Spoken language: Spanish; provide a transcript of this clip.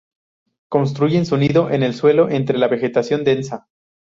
Construyen su nido en el suelo entre la vegetación densa.